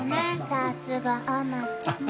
さすがアマちゃん。